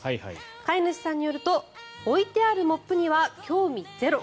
飼い主さんによると置いてあるモップには興味ゼロ。